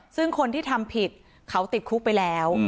ซึ่งคนที่ทำผิดเขาติดคุกไปแล้ว